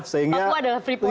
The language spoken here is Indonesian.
sehingga papua adalah freeport